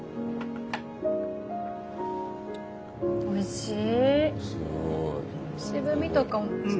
おいしい。